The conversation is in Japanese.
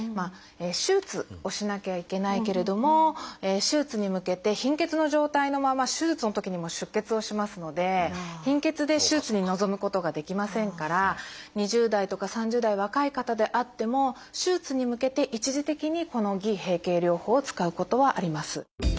手術をしなきゃいけないけれども手術に向けて貧血の状態のまま手術のときにも出血をしますので貧血で手術に臨むことができませんから２０代とか３０代若い方であっても手術に向けて一時的にこの「偽閉経療法」を使うことはあります。